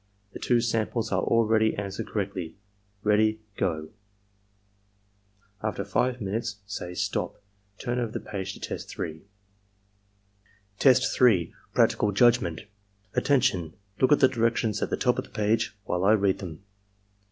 The two samples are already an swered correctly. — Ready — Go!" After 5 minutesi say "STOP! Turn over the page to Test 3." Test 3. — ^Practical Judgment "Attention! Look at the directions at the top of the page while I read them.